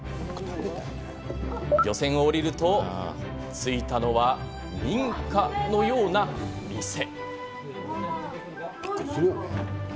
漁船を降りると着いたのは民家のような店。